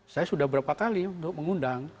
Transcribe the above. saya sudah berapa kali untuk mengundang